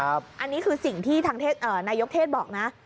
อันนี้คือสิ่งที่ทางนายกเทศบอกนะ